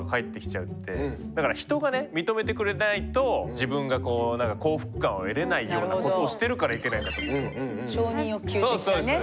だから人が認めてくれないと自分が幸福感を得れないようなことをしてるからいけないんだと思うんだよね。